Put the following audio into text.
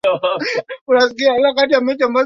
Ninaangalia mwezi na nyota